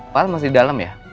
pak al masih di dalam ya